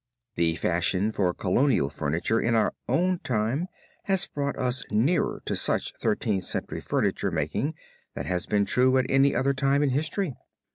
The fashion for Colonial furniture in our own time has brought us nearer to such Thirteenth Century furniture making than has been true at any other time in history.